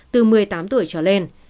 từ một mươi tám tuổi trở lên